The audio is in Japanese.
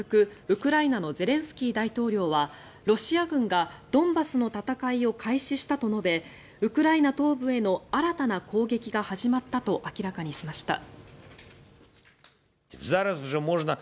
ウクライナのゼレンスキー大統領はロシア軍がドンバスの戦いを開始したと述べウクライナ東部への新たな攻撃が始まったと明らかにしました。